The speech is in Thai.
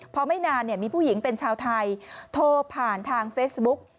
พอไม่นานมีผู้หญิงเป็นชาวไทยโทรผ่านทางเฟซบุ๊ก